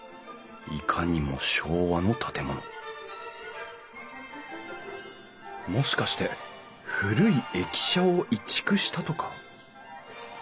いかにも昭和の建物もしかして古い駅舎を移築したとか？